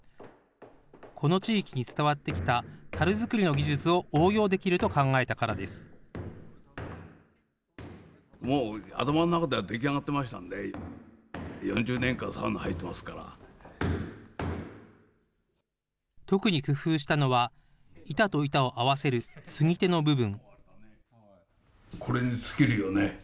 この地域で伝わってきたたる作りの技術を応用できると考えたから特に工夫したのは、板と板を合わせる継ぎ手の部分。